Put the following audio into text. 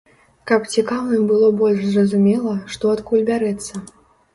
Каб цікаўным было больш зразумела, што адкуль бярэцца.